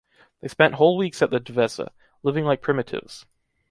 They spent whole weeks at the Devesa, living like primitives.